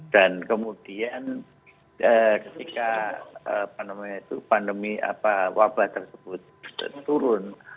dan kemudian ketika pandemi wabah tersebut turun